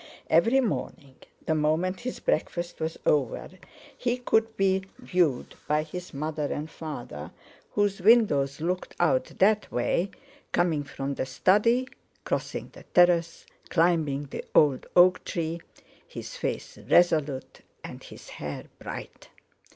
Every morning the moment his breakfast was over, he could be viewed by his mother and father, whose windows looked out that way, coming from the study, crossing the terrace, climbing the old oak tree, his face resolute and his hair bright.